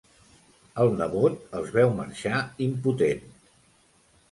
El nebot els veu marxar, impotent.